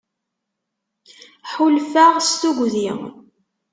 Ḥulfaɣ s tugdi.